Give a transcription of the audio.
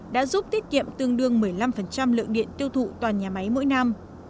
đã giúp tiết kiệm tương đương một mươi năm lượng điện tiêu thụ toàn nhà máy mỗi năm